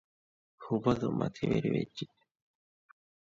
ހުބަލު މަތިވެރިވެއްޖެ